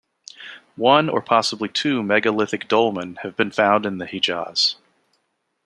One or possibly two megalithic dolmen have been found in the Hijaz.